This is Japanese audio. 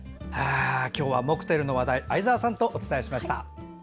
今日はモクテルの話題相沢さんとお伝えしました。